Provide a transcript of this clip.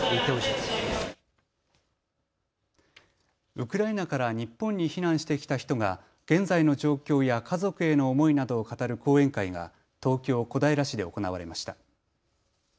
ウクライナから日本に避難してきた人が現在の状況や家族への思いなどを語る講演会が東京小平市で行われました。